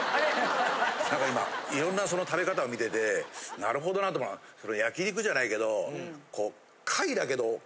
なんか今色んな食べ方を見ててなるほどなと思うのは焼き肉じゃないけどこう貝だけど。